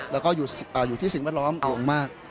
แล้วก็อยู่ที่สิ่งแวดล้อมวงมาก